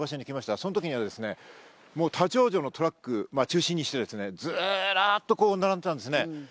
その時は立ち往生のトラックを中心にしてズラっと並んでいたんですね。